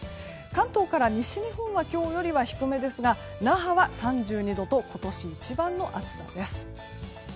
関東から西日本は今日よりは低めですが那覇は３２度と今年一番の暑さです。